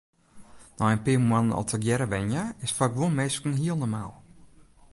Nei in pear moannen al tegearre wenje is foar guon minsken hiel normaal.